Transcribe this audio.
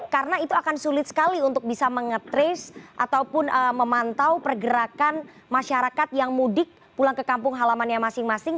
karena itu akan sulit sekali untuk bisa menge trace ataupun memantau pergerakan masyarakat yang mudik pulang ke kampung halamannya masing masing